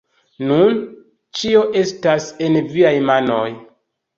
Nun ĉio estas en viaj manoj